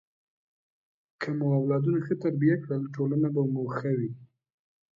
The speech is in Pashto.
که مو اولادونه ښه تربیه کړل، ټولنه به مو ښه وي.